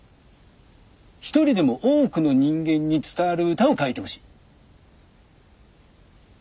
一人でも多くの人間に伝わる歌を書いてほしい。